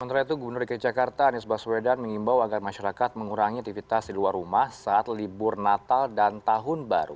sementara itu gubernur dki jakarta anies baswedan mengimbau agar masyarakat mengurangi aktivitas di luar rumah saat libur natal dan tahun baru